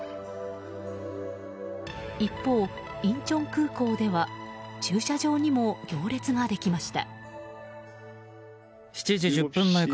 一方、インチョン空港では駐車場にも行列ができました。